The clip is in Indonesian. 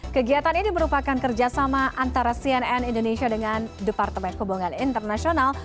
kegiatan ini merupakan kerjasama antara cnn indonesia dengan departemen hubungan internasional